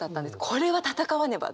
これは闘わねば！